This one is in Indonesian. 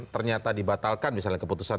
ternyata dibatalkan misalnya keputusan